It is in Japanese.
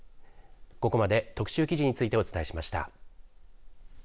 ここまで特集記事についてお伝えしました。